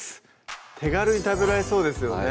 手軽に食べられそうですよね